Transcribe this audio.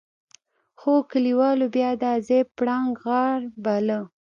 خو کليوالو بيا دا ځای پړانګ غار باله.